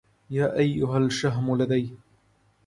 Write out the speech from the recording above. يا أيها الشهم الذي